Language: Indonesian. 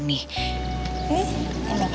nih obatin dong